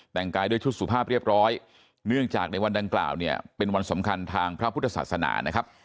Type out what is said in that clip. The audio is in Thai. แต่งกายด้วยชุดสุภาพเรียบร้อยเนื่องจากในวันดังกล่าวเนี่ยเป็นวันสำคัญทางพระพุทธศาสนานะครับ